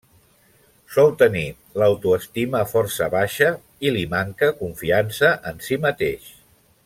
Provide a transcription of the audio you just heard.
Sol tenir l'autoestima força baixa i li manca confiança en si mateix.